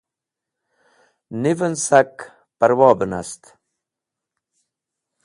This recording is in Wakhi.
Niven sak parwo be nast.